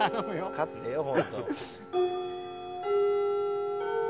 勝ってよ本当。